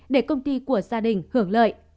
để công ty của gia đình hưởng lợi